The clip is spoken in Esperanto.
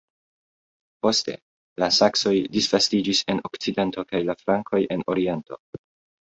Poste la Saksoj disvastiĝis en okcidento kaj la Frankoj en oriento.